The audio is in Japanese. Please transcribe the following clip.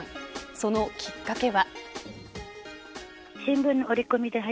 そのきっかけは。